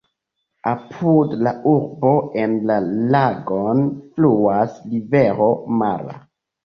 Apud la urbo en la lagon fluas rivero Mara.